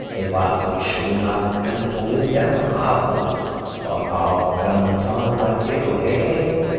If I could show him up and pull him down, I would. But I've done time, like you, Hill.